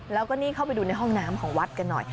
แล้วก็นี่เข้าไปดูในห้องน้ำของวัดกันหน่อย